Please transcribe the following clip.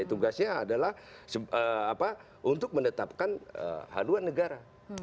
tugasnya adalah untuk menetapkan haluan negara